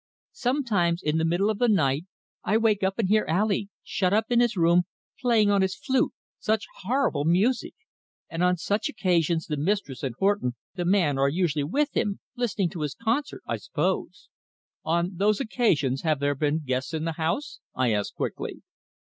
"Sometimes in the middle of the night I wake up and hear Ali, shut up in his room, playing on his flute such horrible music. And on such occasions the mistress and Horton, the man, are usually with him listening to his concert, I suppose." "On those occasions, have there been guests in the house?" I asked quickly.